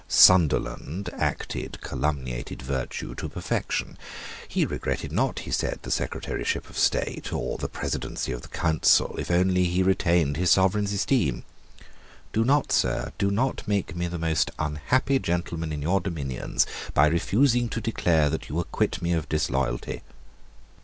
Sunderland acted calumniated virtue to perfection. He regretted not, he said, the Secretaryship of State or the Presidency of the Council, if only he retained his sovereign's esteem. "Do not, sir, do not make me the most unhappy gentleman in your dominions, by refusing to declare that you acquit me of disloyalty."